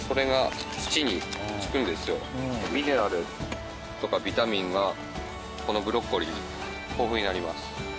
ミネラルとかビタミンがこのブロッコリーに豊富になります。